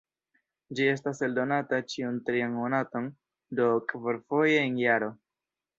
Ĝi estas eldonata ĉiun trian monaton, do kvarfoje en jaro.